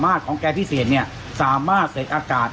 อยากเชิญสื่อทุกช่อง